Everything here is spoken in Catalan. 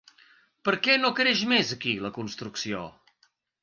Per què no creix més aquí la construcció?